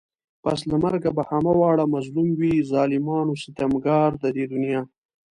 پس له مرگه به همه واړه مظلوم وي ظالمان و ستمگار د دې دنيا